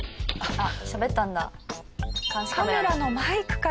あっ。